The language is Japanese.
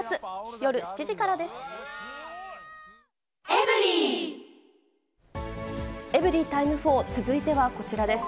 夜７時からです。